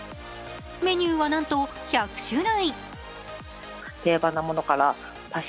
メニューはなんと１００種類。